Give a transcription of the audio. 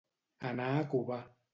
Anar a covar.